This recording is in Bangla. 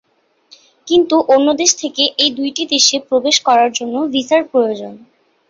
কিন্তু অন্য দেশ থেকে এই দুইটি দেশে প্রবেশ করার জন্য ভিসার প্রয়োজন।